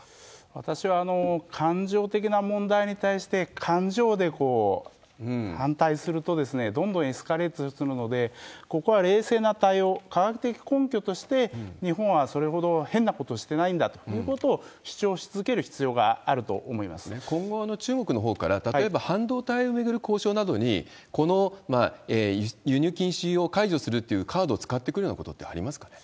私は感情的な問題に対して、感情で反対すると、どんどんエスカレートするので、ここは冷静な対応、科学的根拠として、日本はそれほど変なことしていないんだということを主張し続ける今後、中国のほうから、例えば半導体を巡る交渉などに、この輸入禁止を解除するっていうカードを使ってくるようなことってありますかね？